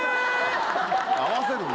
合わせるね。